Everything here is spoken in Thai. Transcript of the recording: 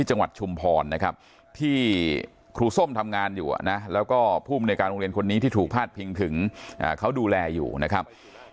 ชุมพรนะครับที่ครูส้มทำงานอยู่นะแล้วก็ภูมิในการโรงเรียนคนนี้ที่ถูกพาดพิงถึงเขาดูแลอยู่นะครับ